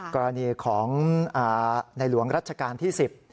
กรณีของในหลวงรัชกาลที่๑๐